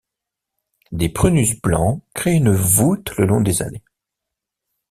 Des prunus blancs créent une voûte le long des allées.